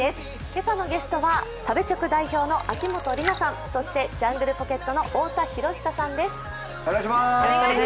今朝のゲストは食べチョク代表の秋元里奈さん、そしてジャングルポケットの太田博久さんです。